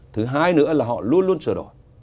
thứ hai nữa là họ luôn luôn sửa đổi